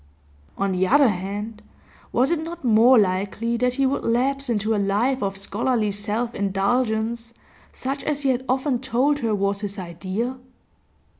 On the other hand, was it not more likely that he would lapse into a life of scholarly self indulgence, such as he had often told her was his ideal?